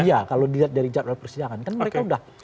iya kalau dilihat dari jadwal persidangan kan mereka udah